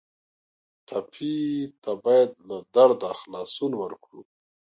ټپي ته باید له درده خلاصون ورکړو.